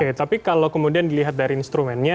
oke tapi kalau kemudian dilihat dari instrumennya